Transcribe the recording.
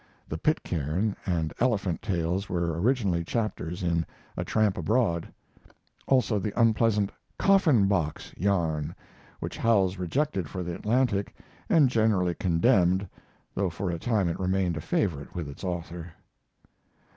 The "Pitcairn" and "Elephant" tales were originally chapters in 'A Tramp Abroad'; also the unpleasant "Coffin box" yarn, which Howells rejected for the Atlantic and generally condemned, though for a time it remained a favorite with its author.